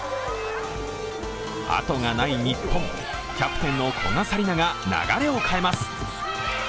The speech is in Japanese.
あとがない日本、キャプテンの古賀紗理那が流れを変えます。